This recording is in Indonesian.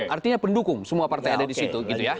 artinya pendukung semua partai ada di situ